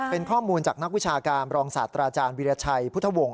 เป็นข้อมูลจากนักวิชาการรองศาสตราจารย์วิราชัยพุทธวงศ